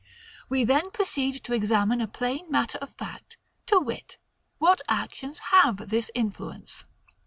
We then proceed to examine a plain matter of fact, to wit, what actions have this influence.